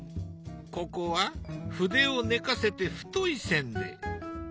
ここは筆を寝かせて太い線で。